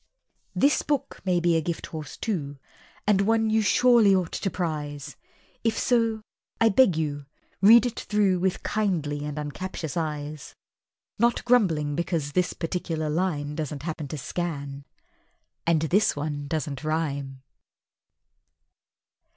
This book may be a Gifthorse too, And one you surely ought to prize; If so, I beg you, read it through With kindly and uncaptious eyes, Not grumbling because this particular line doesn't happen to scan, And this one doesn't rhyme!